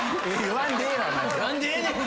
言わんでええねん！